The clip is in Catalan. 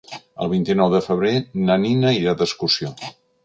El vint-i-nou de febrer na Nina irà d'excursió.